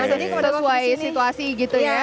nah jadi kalau sesuai situasi gitu ya